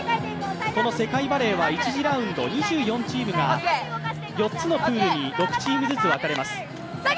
この世界バレーは１次ラウンド、２４チームが４つのプールに、６チームずつ分かれます。